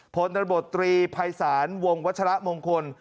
ผลตำรวจตรีภัยศาลวงวัชละมงคล